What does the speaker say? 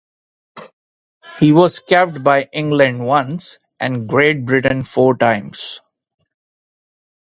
He was capped by England once and Great Britain four times.